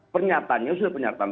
pernyataannya sudah penyataan